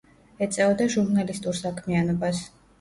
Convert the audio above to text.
ეწეოდა ჟურნალისტურ საქმიანობას.